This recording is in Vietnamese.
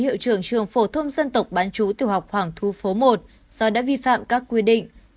hiệu trưởng trường phổ thông dân tộc bán chú tiểu học hoàng thu phố một do đã vi phạm các quy định